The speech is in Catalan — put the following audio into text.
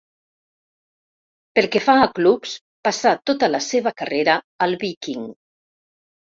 Pel que fa a clubs, passà tota la seva carrera al Viking.